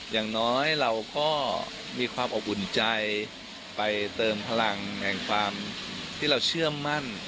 อย่างน้อยเราก็มีความอบอุ่นใจไปเติมพลังแห่งความที่เราเชื่อมั่น